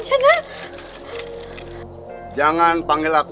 jawab dinda naungulan